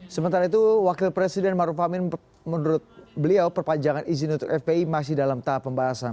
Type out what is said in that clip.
sementara itu wakil presiden maruf amin menurut beliau perpanjangan izin untuk fpi masih dalam tahap pembahasan